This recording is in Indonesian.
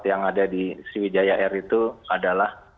yang ada di sriwijaya air itu adalah